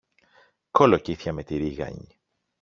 Κολοκύθια με τη ρίγανη!